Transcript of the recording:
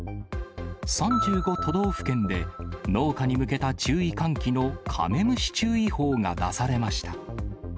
３５都道府県で農家に向けた注意喚起のカメムシ注意報が出されました。